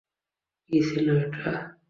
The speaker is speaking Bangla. কী ছিলো এটা!